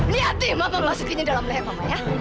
lihat nih mama melaksukinya dalam leher mama ya